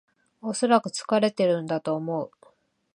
おそらく疲れてるんだと思う